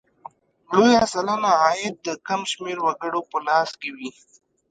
لویه سلنه عاید د کم شمېر وګړو په لاس کې وي.